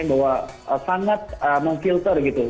yang bahwa sangat meng filter gitu